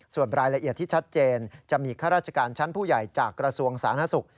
ส่วนรายละเอียดที่ชัดเจนจะมีข้าราชการชั้นผู้ใหญ่จากกระทรวงสาธารณสุข